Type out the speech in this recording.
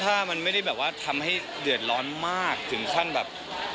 ถ้ามันไม่ได้แบบว่าทำให้เดือดร้อนมากถึงขั้นแบบ